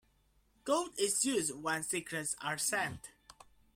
Code is used when secrets are sent.